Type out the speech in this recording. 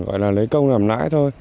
gọi là lấy công làm nãy thôi